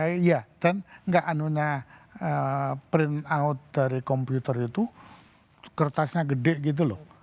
iya dan nggak anunya print out dari komputer itu kertasnya gede gitu loh